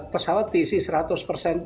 pesawat diisi serangga